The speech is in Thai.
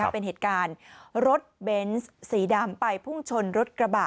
เป็นเหตุการณ์รถเบนส์สีดำไปพุ่งชนรถกระบะ